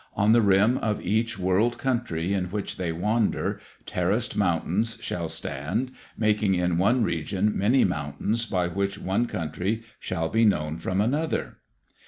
On the rim of each world country in which they wander, terraced mountains shall stand, making in one region many mountains by which one country shall be known from another."